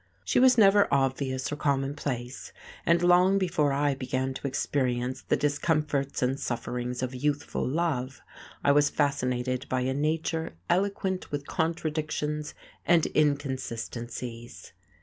She was never obvious or commonplace, and long before I began to experience the discomforts and sufferings of youthful love I was fascinated by a nature eloquent with contradictions and inconsistencies.